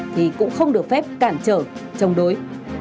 thì cũng không được phép cản trở chống đối